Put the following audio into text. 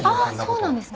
そうなんですね。